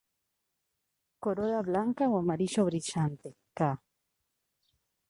Corola blanca o amarillo brillante, ca.